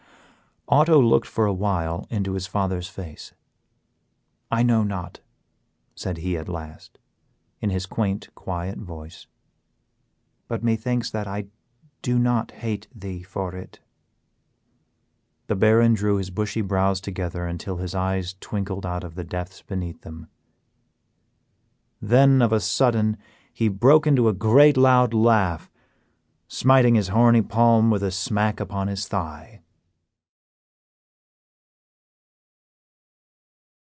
Otto looked for a while into his father's face. "I know not," said he at last, in his quaint, quiet voice, "but methinks that I do not hate thee for it." The Baron drew his bushy brows together until his eyes twinkled out of the depths beneath them, then of a sudden he broke into a great loud laugh, smiting his horny palm with a smack upon his thigh.